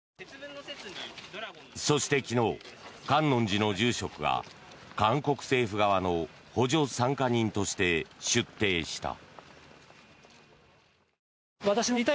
そして昨日、観音寺の住職が韓国政府側の補助参加人として出廷した。